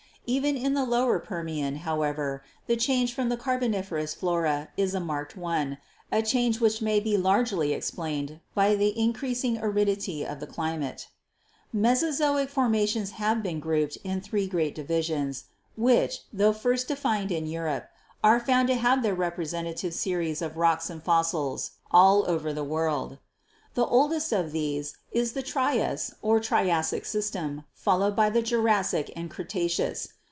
Even in the Lower Permian, however, the change from the Carboniferous flora is a marked one, a change which may be largely explained by the increasing aridity of the climate. The Mesozoic formations have been grouped in three great divisions, which, tho first defined in Europe, are found to have their representative series of rocks and fos 222 GEOLOGY sils all over the world. The oldest of these is the Trias or Triassic system, followed by the Jurassic and Cretaceous.